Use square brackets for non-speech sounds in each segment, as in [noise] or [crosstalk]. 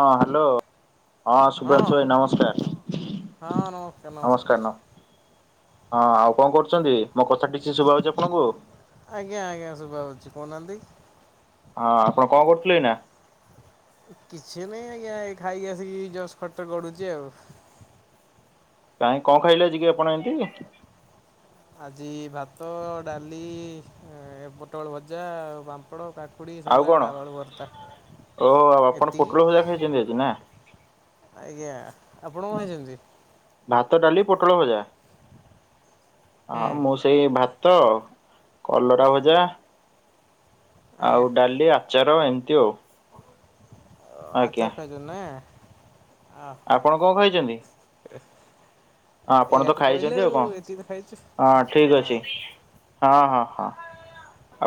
ହଁ ହ୍ୟାଲୋ! ହଁ ସୁଭାଂଶ ଭାଇ ନମସ୍କାର ହଁ ନମସ୍କାର ନ ନମସ୍କାର ହଁ ଆଉ କଣ କରୁଛନ୍ତି? ମୋ କଥା ଠିକ୍ ସେ ଶୁଭା ହଉଛି ଆପଣଙ୍କୁ ଆଜ୍ଞା ଆଜ୍ଞା ଶୁଭ ହଛି କହୁନାହାନ୍ତି? ହଁ ଆପଣ କଣ କରୁଥିଲେ ନା? କିଛି ନହିଁ ଆଜ୍ଞା ଏ ଖାଇକି ଆସିକି ଜସ୍ ଖର୍ଚ୍ଚ କରୁଛି ଆଉ। କାଇଁ କଣ ଖାଇଲେ ଯିକେ ଆପଣ ଏମତି? ଆଜି ଭାତ ଡାଲି ପୋଟଳ ଭଜା, ଆଉ ପାମ୍ପଡ଼ କାକୁଡ଼ି ଆଉ ସାଲାଡ଼ କଣ ଆଳୁ ଭର୍ତ୍ତା। ଓ ଆଉ ଆପଣ ଏତିକି ପୋଟଳ ଭୂଜା ଖାଇଛନ୍ତି ଏ ନା? ଆଜ୍ଞା ଆପଣ କଣ ହେଇଛନ୍ତି? ଭାତ ଡାଲି ପୋଟଳ ଭଜା! ହୁଁ ହଁ ମୁଁ ସେଇ ଭାତ ତ କଲରା ଭଜା ଆଜ୍ଞା ଆଉ ଡାଲି ଆଚାର ଏମିତି ଆଉ ଆଜ୍ଞା ଆଚାର ଖାଇଛ ନା? ଓହୋ ଆପଣ କଣ କହିଛନ୍ତି? ଆପଣ ଏଇଆ ତ କହିଲେ ଖାଇଛନ୍ତି ଆଉ କଣ ଏତିକି ତ ଖାଇଛୁ। ହଁ ଠିକ ଅଛି, ହଁ ହଁ। ହଁ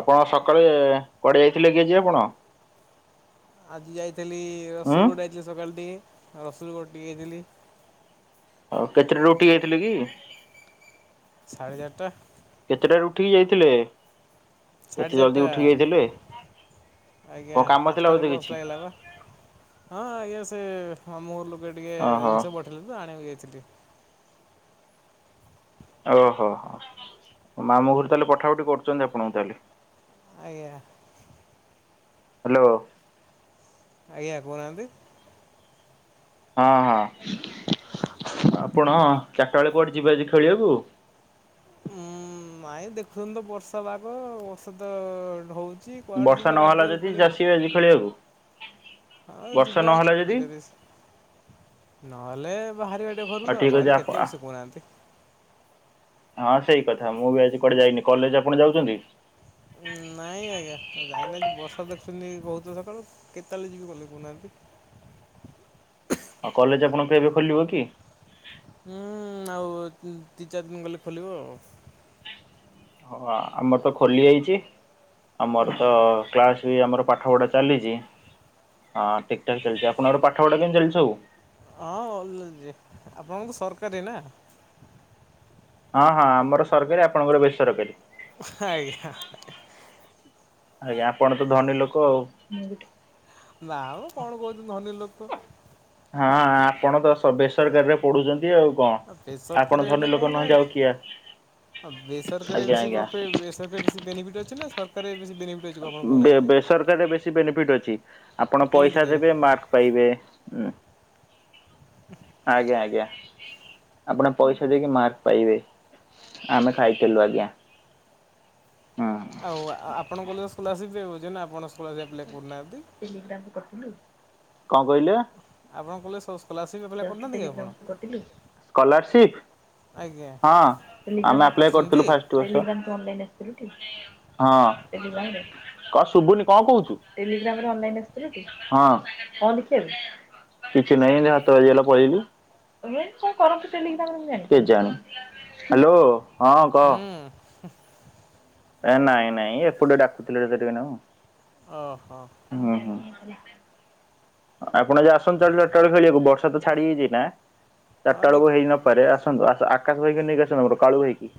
ଆପଣ ସକାଳେ କୁଆଡେ ଯାଇଥିଲେ କି ଆଜି ଆପଣ? ଆଜି ଯାଇଥିଲି ଉଁ? ରସୋଲଗୋଡେ ଯାଇଥିଲି ସକାଳ ର ରସୁଲଗଡ ଟିକ ହେଥିଲି। ଆଉ କେଥିେରେ ରୁଟି ଯାଇଥିଲି କି? ସାଢ଼େ ଚାରିଟା। ଥିଲେ ସାଢ଼େ ଏତେ ଜଲଦି ଚାରିଟା ଉଠିକି ଯାଇଥିଲେ? ଆଜ୍ଞା କଣ କାମ ଥିଲା ପାଞ୍ଚଟାରେ ବୋଧେ ବସ୍ କିଛି? ଲାଗିଲା ବା ହଁ ଇା ସେ ହଁ ମୋ ଲୋକେ ଟିକେ ଓହୋ ଜିନିଷ ପଠେଇଲେ ତ ଆଣିକି ଯାଇଥିଲି। ଓହୋ ହୋ ମାମୁଁ ଘରେ ତାହେଲେ ପଠାପଠି କରୁଛନ୍ତି ଆପଣଙ୍କୁ ତାହେଲେ? ଆଜ୍ଞା। ହ୍ୟାଲୋ! ଆଜ୍ଞା କହୁନାହାନ୍ତି? ହଁ ହଁ। ଆପଣ ଚାରିଟା ବେଳେ କୁଆଡେ ଯିବେ ଆଜି ଖେଳିବାକୁ? ଉୁଁ ନାଇଁ ଦେଖୁଛନ୍ତି ତ ବର୍ଷା ବାାଗ ଔଷଧ ହୋଉ ବର୍ଷା ନହେଲା ଯଦି ଚାଷୀ ଆଜି ଖେଳିବାକୁ। ହଁ ବର୍ଷା ଯିବା ନହେଲା ଯଦି ଦେଦ ନହେଲେ ବାହାରିବା ଟେ ଘରୁ ଆଉ ଠିକ୍ ଅଛି ଘରେ ଆପ କେତେ ଆ ବି ଶିଖୁଉନାହାନ୍ତି। ହଁ ସେଇ କଥା ମୁଁ ବି ଆଜି କୁଆଡେ ଯାଇନି କଲେଜ ଆପଣ ଯାଉଛନ୍ତି? ନାଇଁ ଆଜ୍ଞା ଯାଇନା ବର୍ଷା ଦେଖୁଛନ୍ତି ବହୁତ ସକାଳୁ କେତେଳେ ଯିବି ଗଲେ କହୁନାହାନ୍ତି? ଆଉ କଲେଜ ଆପଣଙ୍କୁ ଏବେ ଖୋଲିବ କି? ହୁଁ ଆଉ ଦତି ଚାରି ଦିନ ଗଲେ ଖୋଲିବ ଆ। ହଁ ଆମର ତ ଖୋଲି ଯାଇଛି ଆମର ତ ଆଉ କ୍ଲାସ ଆମର ପାଠପଢା ଚାଲିଚି ହଁ ଠିକଠାକ୍ ଚାଲିଚି ଆପଣଙ୍କର ପାଠପଢା କେମିତି ଚାଲିଚି ଆଉ। ହଁ ଆପଣଙ୍କୁ ସରକାରୀ ନା ହଁ ହଁ ଆମର ସରକାରୀ ଆପଣଙ୍କର ବେସରକାରୀ। ଆଜ୍ଞା। ଆଜ୍ଞା ଆପଣ ତ ଧନୀ ଲୋକ ଆଉ। ନା ମୁ କଣ କହୁଛନ୍ତି ଧନୀ ଲୋକ। ହଁ ଆପଣ ତ ବେସରକାରୀରେ ପଢୁଛନ୍ତି ଆଉ। କଣ ବେସରକାରୀ ଆପଣ ହେଲେ ଧନୀ କଣ ଲୋକ ହେଲା ନହେ କି? ଯାଉ କିଆ ଆଉ ବେସରକାର ବେଶ ବେରକାର ବେଶ ବେନିଫିଟ ଅଛି ନା ସରକାର ବେ ବେସରକାରରେ ବେଶୀ ବେନିଫିଟ ଅଛି ଆପଣ କେମିତି ପଇସା କିଏ ଦେବେ ମାର୍କ ପାଇବେ। ଆଜ୍ଞା ଆଜ୍ଞା। ଆପଣ ପଇସା ଦେଇକି ମାର୍କ ପାଇବେ ଆମେ ଖାଇଲୁ ଆଜ୍ଞା। ହୁଁ। ଆଉ ଆପଣଙ୍କ ହିଲ ସ୍ଲରସିପ ନା ଆପଣଙ୍କ [unintelligible] କଣ କରିଚ ଆପଣ କଲେଜ ସ୍କଲାରସିପ୍ ଆପ୍ଲାଏ କରିନାହାନ୍ତି କି ଆପଣ? କଲ ଆଜ୍ଞା ହଁ ଆମେ ଆପ୍ଲାଏ କରିଥିଲୁ କରିଛନ୍ତି ଫାଷ୍ଟ ବର୍ଷ। ହଁ ଶୁଭୁନି କଣ କହୁଚୁ? ଆସିଥିଲ କଣ ଦେଖିବା? କିଛି ନାହିଁ ହାତ ବାଜିଗଲା ପଳିବି କେଜାଣି ହ୍ୟାଲୋ ହଁ କହ? ହୁଁ ନାଇଁ ନାଇଁ ଏପଟେ ଡାକୁଥିଲେ ଟିକେନାକୁରୁ ଓ ହୋ। ଆପଣ ଯ ଆସନ୍ତୁ ଚା ଚାରିଟା ବେଳକୁ ଖେଳିବାକୁ ବର୍ଷା ତ ଛାଡି ଯାଇଚି ନା। ହଉ ଚାରିଟା ଦେଖ ବେଳକୁ ହେଇ ନପାରେ ଆସନ୍ତୁ ଆକାଶ ଭାଇକି ନେଇକି ଆସନ୍ତୁର କାଳୁ ଭାଇକି।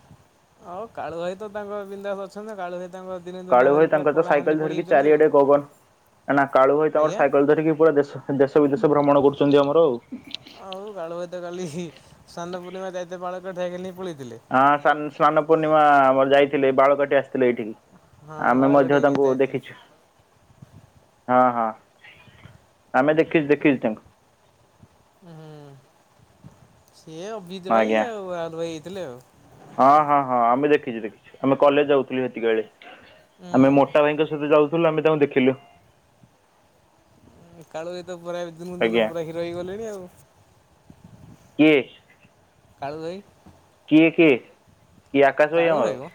ଆଉ କାଳୁ ଭାଇ ତ ତାଙ୍କ [unintelligible] ଅଛନ୍ତି କାଳୁ ଭାଇ ତାଙ୍କ ଦିନେ ଦିନେ କାଳୁ ଆହୁରି ଭାଇ ପୁରା ତାଙ୍କର ତ କଳା ହାଣ୍ଡି ସାଇକେଲ ଧର କି ପଡ଼ିଯାଉଛନ୍ତି ଚାରି ଆଉ ଅଡେ ଗଗନ ନା ନା କାଳୁ ଭାଇ ତ ଆମର ଆଜ୍ଞା। ସାଇକେଲ ଧରିକି ପୁରା ଦେଶ ଦେଶ ବିଦେଶ ଭ୍ରମଣ କରୁଛନ୍ତି ଆମର ଆଉ। ଆଉ କାଳୁ ଭାଇ ତ କାଲି ସ୍ନାନ ପୂର୍ଣ୍ଣିମା ଯାଇଥିଲେ ବାଳକଠାଏ କାଲି ପଳେଇଥିଲେ। ହଁ ସା ସ୍ନାନ ପୂର୍ଣ୍ଣିମା ଆମର ଯାଇଥିଲେ ବାଳକାଟି ଆସିଥିଲେ ଏଇଠିକି। ହଁ ଆମେ ମଧ୍ୟ ବାଳକାଟିକି ତାଙ୍କୁ ଯାଇଥିଲେ ଦେଖିଛୁ। ହଁ ହଁ ଆମେ ଦେଖିଛୁ ଦେଖିଛୁ ତାଙ୍କୁ। ହୁଁ। ଏ ଅଭିିତ ଭାଇ ଆଜ୍ଞା। ଆଉ ଆଲ ଭାଇ ହେଇଥିଲେ ହଁ ହଁ ହଁ ଆମେ ଦେଖିଛୁ ଦେଖିଛୁ ଆମେ କଲେଜ ଯାଉଥିଲୁ ସେତିକିବେଳେ। ଆମେ ମୋଟା ହୁଁ ଭାଇଙ୍କ ସହିତ ଯାଉଥିଲୁ ଆମେ ତାଙ୍କୁ ଦେଖିଲୁ। କାଳୁ ଏତ ପୁରା ଦିନକୁ ଦିନ ଆଜ୍ଞା ପୁରା ହିରୋ ହେଇଗଲେଣି ଆଉ। କିଏ? କଳେଇ କିଏ କିଏ କିଏ ଆକାଶ ଭାଇ କାଳୁ ଆମର ମ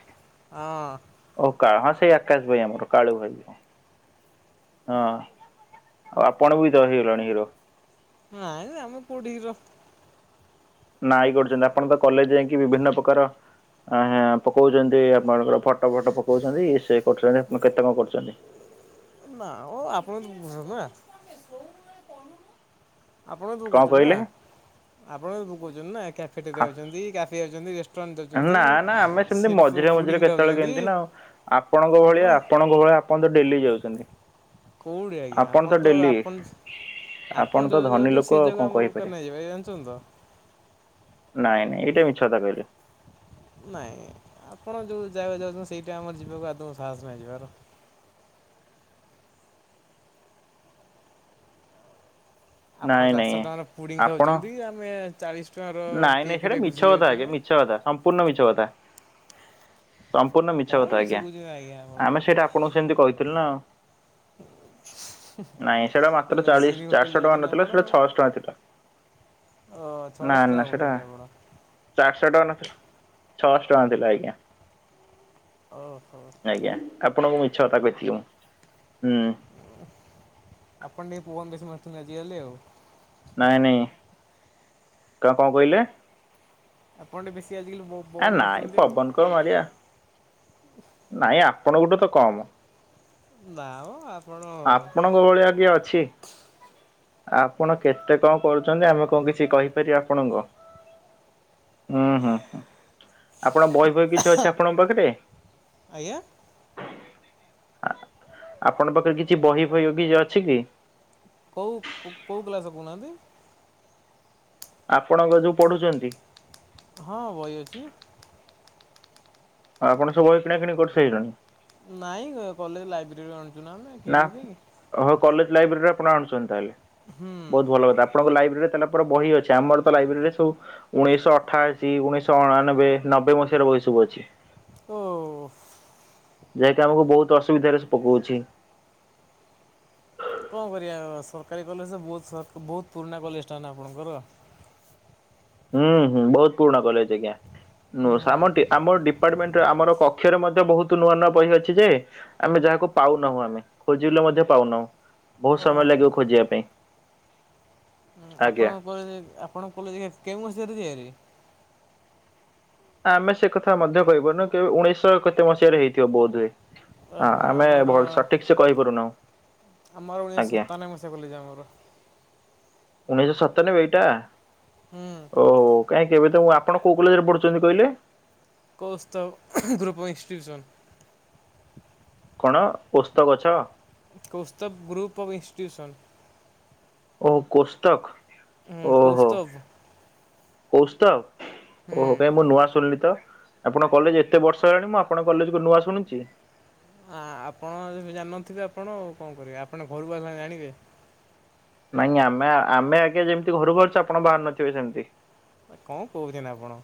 ହଁ ଓ କା ହ ସେଇ ଆକାଶ ଭାଇ ଆମର କାଳୁ ଭାଇ ହଁ ଆଉ ଆପଣ ବି ଦ ହେଇଗଲେଣି ହିରୋ ନାଇ ନାଇ ଆମେ କୋଉଠି ହିରୋ। ନାଇ କରୁଚନ୍ତି ଆପଣ ତ କଲେଜ ଯାଇଁକି ବିଭିନ୍ନ ପ୍ରକାର ଆଜ୍ଞା ପକୋଉଚନ୍ତି ଆପଣଙ୍କର ଫଟୋ ଫଟୋ ପକୋଉଚନ୍ତି ଇଏ ସେ ପଟରେ ଏନା କେତେ କଣ କରୁଚନ୍ତି। ହଁ ନା ଓ ଆପଣ [unintelligible] ନା। ଆପଣ ବି ତ କଣ କୋଉଚନ୍ତି ନା କହିଲେ? ଆପଣ ବି କୋଉଚନ୍ତି ନା କାଫେଟେରିଆ ଯାଉଚନ୍ତି କ୍ୟାଫେ ଯାଉଚନ୍ତି ରେଷ୍ ଏ ନା ନା ଆମେ ସେମିତି ମଝିରେ ପୁଡିଂ ମଝିରେ କେତେବେଳେ ଖାଉଛନ୍ତି କେମତି ନା ଆଉ ଆପଣଙ୍କ ଭଳିଆ ଆପଣ ଆପଣଙ୍କ ଭ ଆପଣ ତ ଡେଲି ଯାଉଚନ୍ତି। କୋଉଠି ଆଜ୍ଞା ଆପଣ ତ ଆପଣ ଆପଣ ତ ଯୋଉ ଜାଗାକୁ ଧନୀ ଯାଉଚନ୍ତ୍ ଲୋକ ସେ ଆଉ କଣ ଜାଗା ଆମକୁ କହିପାରିବା [unintelligible] ଯିବେ ଜାଣଚନ୍ତି ତ। ନାଇଁ ନାଇଁ ଏଇଟା ମିଛ କଥା କହିଲେ। ନାଇଁ ଆପଣ ଯୋଉ ଜାଗାକୁ ଯାଉଚନ୍ତି ସେଇଟା ଆମର ଯିବାକୁ ଆଦୌଁ ସାହସ ନାଇ ଯିବାର। ଆପଣ ନାଇଁ ଚାରଶ ନାଇଁ ଟଙ୍କାର ପୁଡିଂ ଆପଣ ଖାଉଚନ୍ତି ଆମେ ଚାଳିଶ୍ ନାଇଁ ନାଇଁ ସେଟା ମିଛ କଥା ଆଗେ ମିଛ କଥା ସମ୍ପୂର୍ଣ୍ଣ ମିଛ କଥା। ସମ୍ପୂର୍ଣ୍ଣ ମିଛ କଣ କଥା ଆଜ୍ଞା କହୁଛନ୍ତି ଆଜ୍ଞା ଆପଣ ଆମେ ସେଇଟା ଆପଣଙ୍କୁ ସେମତି କହିଥିଲୁ ନା ଆଉ। ନାଇଁ ସେଟା ମାତ୍ର ଚାଳିଶ ଲକ୍ଜରୀ ହୋଟେଲ ଚାରଶ ଟଙ୍କା ଯାଉଛନ୍ତି ନଥିଲା ଆପଣ ସେଟା ଆଉ। ଛଅଶ ଟଙ୍କା ଥିଲା। ଓ ନା ଛଅଶହ ଟଙ୍କା ନା ସେଟା କହୁଛନ୍ତି ଆପଣ ଚାରିଶ ଟଙ୍କା ନଥିଲା ଛଅଶ ଟଙ୍କା ଥିଲା ଆଜ୍ଞା। ଓହୋ। ଆଜ୍ଞା ଆପଣଙ୍କୁ ମିଛ କଥା କହିଥିଲି ମୁଁ। ହୁଁ ଆପଣ ଟିକେ ପୁଅନ ବେଶୀ ମସ୍ତି ମଜିଗଲେ ଆଉ। ନାଇଁ ନାଇଁ ତ କଣ କହିଲେ? ଆପଣ ଟିକେ ବେଶୀ ଆଜିକାଲି ଏ ପବନ ନାଇଁ ମାରୁଛନ୍ତି ଆଉ। ପବନ କଁ କରିବା। ନାଇଁ ଆପଣଙ୍କଠୁ ତ କମ। ନା ମ ଆ ଆପଣଙ୍କ ଭଳିଆ କିଏ ଅଛି। ଆପଣ କେତେ କଣ କୋହୁଚନ୍ତି ଆମେ କଣ କିଛି କହିପାରିବା ଆପଣଙ୍କୁ। ଉଁ ହୁଁ ହୁଁ। ଆପଣ ବହି ଫହି କିଛି ଅଛି ଆପଣଙ୍କ ପାଖରେ? ଆଜ୍ଞା ଆ ଆପଣଙ୍କ ପାଖରେ କିଛି ବହି ଫହି ଅ କିଛି ଅଛି କି? କୋଉ କୋଉ କ୍ଲାସ କୋହୁନାହାନ୍ତି। ଆପଣଙ୍କର ଯୋଉ ପଢୁଚନ୍ତି। ହଁ ବହି ଅଛି। ଆଉ ଆପଣ ସବୁ ବହି କିଣାକିଣି କରିସାଇଲଣି? ନାଇଁ ଅ କଲେଜ ଲାଇବ୍ରେରୀରୁ ଆଣୁଚୁ ନା ଆମେ କିଣିବୁ କାହିଁକି। ହଉ କଲେଜ ଲାଇବ୍ରେରୀରୁ ଆପଣ ଆଣୁଚନ୍ତି ତାହେଲେ ହୁଁ ବୋହୁତ ଭଲ କଥା ଆପଣଙ୍କ ଲାଇବ୍ରେ ରୀରେ ତାହେଲେ ପୁରା ବହି ଅଛି ଆମର ତ ଲାଇବ୍ରେୀରେ ସବୁ ଉଣେଇଶ ଅଠାଅଶୀ ଉଣେଇଶ ଅଣାନବେ ନବେ ମସିହା ର ବହି ସବୁ ଅଛି। ଓ ଯାହାକି ଆମକୁ ବୋହୁତ ଅସୁବିଧାରେ ସେ ପକୋଉଛି। କଣ କରିବା ସରକାରୀ କଲେଜ ତ ବୋହୁତ ସା ବୋହୁତ ପୁରୁଣା କଲେଜଟା ନା ଆପଣଙ୍କର। ହୁଁ ହୁଁ ବୋହୁତ ପୁରୁଣା କଲେଜ ଆଜ୍ଞା ନୋଉ ହୁଁ ସ୍ ଆମର ଟିକେ ଆମର ଡି ଡିପମଣ୍ଟରେ ଆମର କକ୍ଷରେ ମଧ୍ୟ ବୋହୁତ ନୂଆ ନୂଆ ବହି ଅଛି ଯେ ଆମେ ଯାହାକୁ ପାଉନାହୁଁ ଆମେ ଖୋଜିଲୁ ମଧ୍ୟ ପାଉନାହୁଁ ବୋହୁତ ସମୟ ଓହୋ ଲାଗିବ ଖୋଜିବା ପାଇଁ। ଉଁ ଆଜ୍ଞା ଆପଣଙ୍କ କଲେଜେ ଆପଣଙ୍କ କଲେଜେ ଇଏ କେଉଁ ମସିହାରେ ତିଆରି? ଆମେ ସେ କଥା ମଧ୍ୟ କହିପାରୁନୁ କେବେ ଉଣେଇଶହ କେତେ ମସିହାରେ ହେଇଥିବ ବୋଧୁଏ। ଆ ଓହୋ ଆମେ ଆମର ଭଲ ସଠିକସେ କହିପାରୁନାହୁଁ। ଆମର ଉଣେଇଶ ଆଜ୍ଞା ସତାନବେ ମସିହା କଲେଜ ଆମର। ଉଣେଇଶ ସତାନବେ ଏଇଟା ହୁଁ ଓ କାଇଁ କେବେ ତ ମୁଁ ଆ ଆପଣ କୋଉ କଲେଜରେ ପଢୁଚନ୍ତି କହିଲେ? Kaustav group of institution. କଣ ଓସ୍ତ ଗଛ? Kaustav group of institution. ଓ କୋସ୍ତକ। ଉଁ କୌସ୍ତବ। କୌସ୍ତବ୍, ହୁଁ ଓହୋ କାଇଁ ମୁଁ ନୂଆ ଶୁଣିଲି ତ। ଆପଣଙ୍କ କଲେଜ ଏତେ ବର୍ଷ ହେଲାଣି, ମୁଁ ଆପଣଙ୍କ କଲେଜକୁ ନୂଆ ଶୁଣୁଚି। ଆ-ଆପଣ ଯେବେ ଜାଣିନଥିବେ ଆପଣ ଆଉ, କଣ କରିବେ? ଆପଣ ଘରୁ ଆଉ କଣ ଜାଣିବେ? ନାଇଁ ଆମେ ଆ-ଆମେ ଆଗେ ଯେମତି ଘରୁ ବାହାରୁଛୁ, ଆପଣ ବାହାରୁ ନଥିବେ ସେମତି। କଣ କହୁଛନ୍ତି ଆପଣ?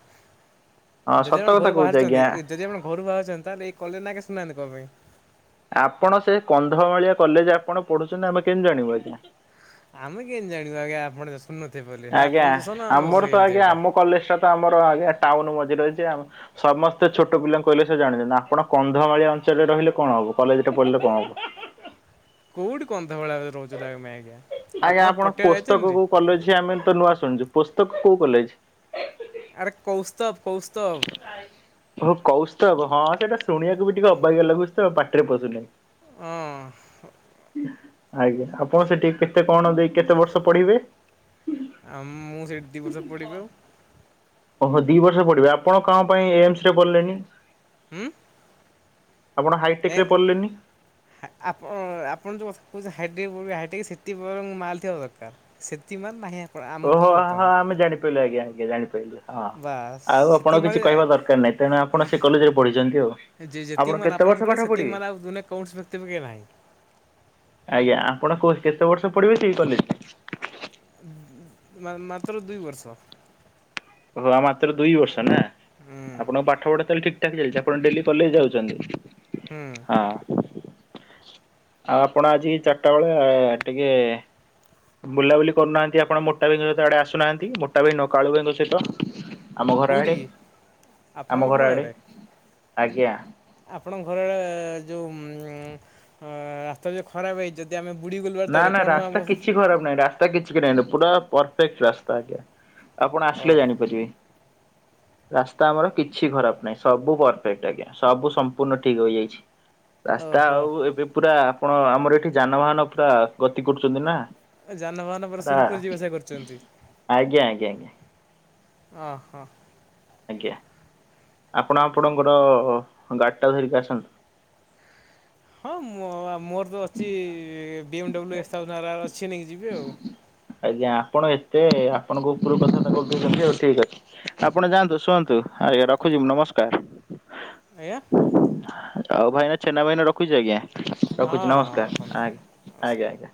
ହଁ ଯଦି ସତ ଆପଣ କଥା ଘରୁ କହୁଛି ବାହାରୁଛନ୍ତି, ଆଜ୍ଞା। ଯଦି ଆପଣ ଘରୁ ବାହାରୁଛନ୍ତି, ତାହେଲେ ଏଇ କଲେଜ ନାଁ କେ ଶୁଣିନାହାଁନ୍ତି କଣ ପାଇଁ? ଆପଣ ସେ କନ୍ଧମାଳିଆ କଲେଜ ଆପଣ ପଢୁଛନ୍ତି, ଆମେ କେମତି ଜାଣିବୁ ଆଜ୍ଞା। ଆମେ କେମତି ଜାଣିବୁ ଆଜ୍ଞା ଆପଣ ସ ଆଜ୍ଞା। ଆମର ତ ଆଜ୍ଞା, ଏଇଟା? ଆମ କଲେଜଟା ତ ଆମର ଆଗେର ଟାଉନ ମଝିରେ ରହିଛି, ଆମ ସମସ୍ତେ ଛୋଟପିଲାଙ୍କୁ କହିଲେ ସେ ଜାଣିଛନ୍ତି। ଆପଣ କନ୍ଧମାଳିଆ ଅଞ୍ଚଳରେ ରହିଲେ କଣ ହବ? କୋଉ କଲେଜରେ ପଢିଲେ କଣ ହବ? କୋଉଠି କନ୍ ଆଜ୍ଞା, ଆପଣ ପଟିଆ ପୋସ୍ତକ ଯାଇଛନ୍ତି? କୋଉ କଲେଜ ଅଛି, ଆମେ ତ ନୂଆ ଶୁଣିଛୁ। ପୋସ୍ତକ, କୋଉ କଲେଜ? ଆରେ କୌସ୍ତବ କୌସ୍ତବ। ଓହୋ କୌସ୍ତବ, ହଁ ସେଇଟା ଶୁଣିବାକୁ ବି ଟିକେ ଅବାଗିଆ ଲାଗୁଚି ତ ପାଟିରେ ପଶୁନେଇ। ହଁ। ଆଜ୍ଞା। ଆପଣ ସେଠି କେତେ କଣ ଦେଇ, କେତେ ବର୍ଷ ପଢିବେ? ଆଉ ମୁଁ ସେଇଠି ଦି ବର୍ଷ ପଡିବି ଆଉ। ଓହୋ, ଦି ବର୍ଷ ପଢ଼ିବେ। ଆପଣ କଣ ପାଇଁ ଏମ୍ସରେ ପଢିଲେନି? ଉଁ ଆପଣ ହାଇଟେକ୍ ଏଁ ରେ ପଢିଲେନି ଆପଣ-ଆପଣ ଯୋଉ କଥା କଉଚ ହାଇଟେକ୍ ପଢ଼ିବି ହାଇଟେକରେ ସେତିକି ବରଂ ମାଲ୍ ଥିବା ଦରକାର। ସେତିକି ମାଲ୍ ନାହିଁ ଆମ ଆପଣ ଓହୋ ଉପରେ ହୋ ବର୍ତ୍ତମାନ ଆମେ ଜାଣିପାଇଲୁ, ଆଜ୍ଞା ଆଜ୍ଞା ଜାଣିପାଇଲୁ। ହଁ। ବାସ୍ ଆଉ ସେତିକି ଆପଣଙ୍କୁ କିଛି ମାଲ କହିବା ଦରକାର ନାହିଁ, ତେଣୁ ଆପଣ ସେ କଲେଜରେ ପଢିଛନ୍ତି ଆଉ। ଯିଏ ଆପଣ ଯେତିକି ମାଲ୍ କେତେ ବର୍ଷ ଆପଣଙ୍କ ଘରେ, ପାଠ ସେତିକି ପଢିବେ? ମାଲ୍ ଆଉ ଦୁନିଆରେ କୌଣସି ବ୍ୟକ୍ତି ପାଖେରେ ନାହିଁ। ଆଜ୍ଞା। ଆପଣ କୋଉ କେତେ ବର୍ଷ ପଢ଼ିବେ ସେଇ କଲେଜ? ମା-ମାତ୍ର ଦୁଇ ବର୍ଷ। ଓହ ମାତ୍ର ଦୁଇ ବର୍ଷ ନା, ହୁଁ ଆପଣଙ୍କ ପାଠପଢା ତାହେଲେ ଠିକ୍ ଠାକ୍ ଚାଲିଚି, ଆପଣ ଡେଲି କଲେଜ ଯାଉଛନ୍ତି? ହୁଁ। ହଁ। ଆଉ ଆପଣ ଆଜି ଚାରିଟା ବେଳେ ଟିକେ ବୁଲାବୁଲି କରୁନାହାଁନ୍ତି ଆପଣ ମୋଟା ଭାଇଙ୍କ ସହିତ ଆଡେ ଆସୁନାହାଁନ୍ତି। ମୋଟା ଭାଇ ନୁହଁ କାଳୁ ଭାଇଙ୍କ ସହ ସହିତ ଆମ ଘର ଆଡ଼େ, କୋଉଠିକି ଆମ ଘର ଆଡ଼େ ଆଜ୍ଞା। ଆପଣଙ୍କ ଘର ଆଡ଼େ, ଯୋଉ ଉମ୍ ରାସ୍ତା ଯୋଉ ଖରାପ ହେଇଚି, ଯଦି ଆମେ ବୁଡ଼ିଗଲୁ ନା ବାଟରେ ନା କଣ ହବ ରାସ୍ତା ଆମକୁ? କିଛି ଖରାପ ନାହିଁ, ରାସ୍ତା କିଛି କି ନାଇଁ ପୁରା ପରଫେକ୍ଟ ରାସ୍ତା ଆଜ୍ଞା। ଆପଣ ଓ ଆସିଲେ ଜାଣିପାରିବେ। ରାସ୍ତା ଆମର କିଛି ଖରାପ ନାହିଁ, ସବୁ ପରଫେକ୍ଟ ଆଜ୍ଞା। ସବୁ ସମ୍ପୂର୍ଣ୍ଣ ଠିକ ହୋଇଯାଇଛି। ରାସ୍ତା ଓହୋ ଆଉ ଏବେ ପୁରା, ଆପଣ ଆମର ଏଠି ଯାନବାହାନ ପୁରା ଗତି କରୁଛନ୍ତି ନା। ଯାନବାହନ ପୁରା ଆଜ୍ଞା ସୁରୁଖୁରୁରେ ଯିବାଆସିବା କରୁଛନ୍ତି। ଆଜ୍ଞା ଆଜ୍ଞା ଓ ହୋ। ଆଜ୍ଞା। ଆପଣ ଆପଣଙ୍କର ଗାଡିଟା ଧରିକି ଆସନ୍ତୁ। ହଁ ମୋ ଆପ ମୋର ତ ଅଛି ବି ଏମ୍ ଡବ୍ଲ୍ୟୁ [unintelligible] ଅଛି ନେଇକି ଯିବି ଆଉ। ଆଜ୍ଞା ଆପଣ ଏତେ ଆପଣଙ୍କ ଉପରୁକୁ କଥାବାର୍ତ୍ତା କରିଦଉଛନ୍ତି ଆଉ। ଠିକ ଅଛି, ଆପଣ ଯାଆନ୍ତୁ, ଶୁଅନ୍ତୁ, ଆଜ୍ଞା ରଖୁଛି। ନମସ୍କାର। ଆଜ୍ଞା। ହଉ ଭାଇନା ଛେନା ଭାଇନା ରଖୁଛି ଆଜ୍ଞା ରଖୁଛି ହଁ ହଁ ନମସ୍କାର ଆ ରଖନ୍ତୁ। ଆଜ୍ଞା ଅଜ୍ଞା।